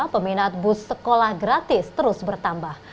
peminat bus sekolah gratis terus bertambah